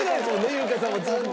優香さんもずーっと。